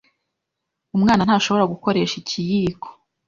Umwana ntashobora gukoresha ikiyiko.